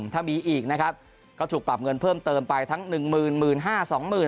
ถ้ามีอีกนะครับก็ถูกปรับเงินเพิ่มเติมไปทั้ง๑หมื่น